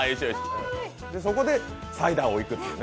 そこでサイダーをいくというね。